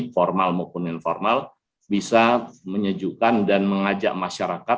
formal maupun informal bisa menyejukkan dan mengajak masyarakat